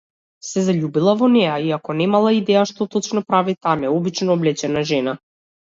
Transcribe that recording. Се заљубила во неа, иако немала идеја што точно прави таа необично облечена жена.